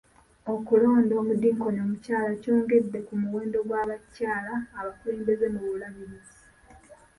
Okulonda omudinkoni omukyala kyongedde ku muwendo gw'abakyala abakulembeze mu bulabirizi.